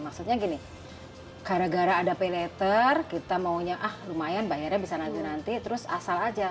maksudnya gini gara gara ada pay later kita maunya ah lumayan bayarnya bisa nanti nanti terus asal aja